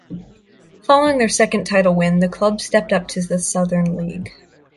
Following their second title win, the club stepped up to the Southern League.